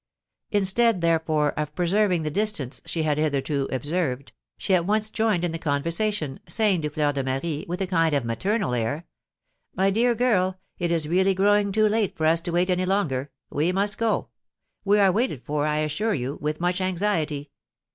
Instead, therefore, of preserving the distance she had hitherto observed, she at once joined in the conversation, saying to Fleur de Marie, with a kind and maternal air: "My dear girl, it is really growing too late for us to wait any longer, we must go; we are waited for, I assure you, with much anxiety.